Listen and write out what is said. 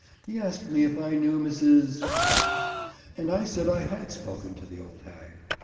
He asked me if I knew Mrs. —, and I said I had spoken to the old hag.